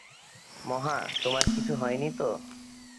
মহা, তোমার কিছু হয়নি তো?